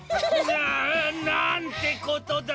ああ！なんてことだ！